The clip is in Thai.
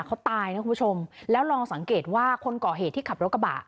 เขาตายนะคุณผู้ชมแล้วลองสังเกตว่าคนก่อเหตุที่ขับรถกระบะ